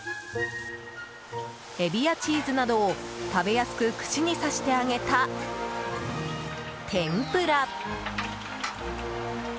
エビやチーズなどを、食べやすく串に刺して揚げた天ぷら。